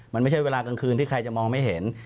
มันไม่ใช่เวลากลางคืนที่ใครจะมองไม่เห็น